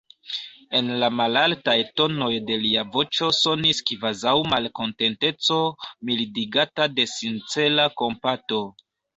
En la malaltaj tonoj de lia voĉo sonis kvazaŭ malkontenteco, mildigata de sincera kompato!